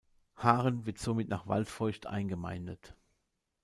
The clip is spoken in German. Haaren wird somit nach Waldfeucht eingemeindet.